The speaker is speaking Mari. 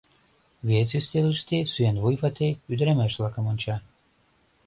Вес ӱстелыште сӱанвуй вате ӱдырамаш-влакым онча.